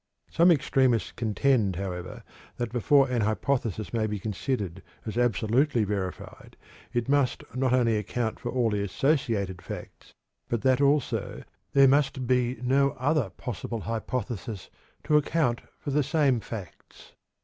Some extremists contend, however, that before an hypothesis may be considered as absolutely verified, it must not only account for all the associated facts but that also there must be no other possible hypothesis to account for the same facts.